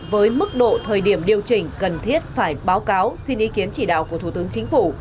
với mức độ thời điểm điều chỉnh cần thiết phải báo cáo xin ý kiến chỉ đạo của thủ tướng chính phủ